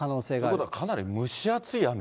ということは、かなり蒸し暑い雨？